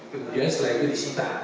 kemudian setelah itu disita